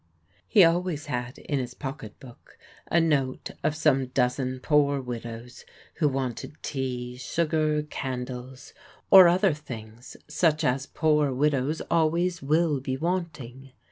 He always had in his pocket book a note of some dozen poor widows who wanted tea, sugar, candles, or other things such as poor widows always will be wanting.